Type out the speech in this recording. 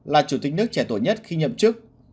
là chủ tịch nước trẻ tuổi nhất khi nhậm chức